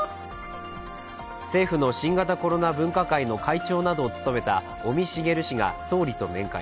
政府の新型コロナ分科会の会長などを務めた尾身茂氏が総理と面会。